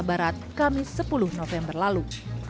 di jakarta barat kamis sepuluh november lalu